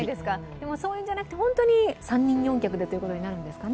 でもそういうんじゃなくて本当に三人四脚でということになるんですかね。